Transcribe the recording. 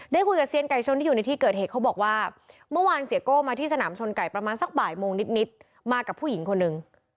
คุยกับเซียนไก่ชนที่อยู่ในที่เกิดเหตุเขาบอกว่าเมื่อวานเสียโก้มาที่สนามชนไก่ประมาณสักบ่ายโมงนิดมากับผู้หญิงคนนึง